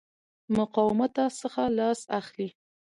مقاومته څخه لاس اخلي.